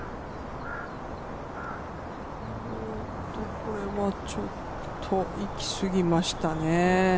これはちょっと行き過ぎましたね。